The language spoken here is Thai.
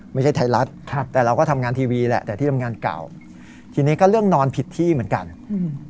ไม่ใช่ไทยรัฐครับแต่เราก็ทำงานทีวีแหละแต่ที่ทำงานเก่าทีนี้ก็เรื่องนอนผิดที่เหมือนกันอืม